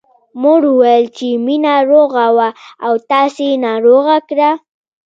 مور وويل چې مينه روغه وه او تاسې ناروغه کړه